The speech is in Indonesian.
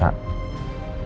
tunggu tunggu tunggu